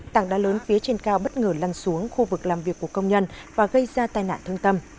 tảng đá lớn phía trên cao bất ngờ lăn xuống khu vực làm việc của công nhân và gây ra tai nạn thương tâm